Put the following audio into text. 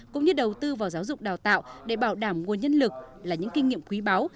cũng như đầu tư vào giáo dục đào tạo để bảo đảm nguồn nhân lực là những kinh nghiệm quý báu